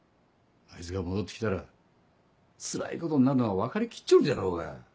あいつが戻って来たらつらいことになるのは分かりきっちょるじゃろうが。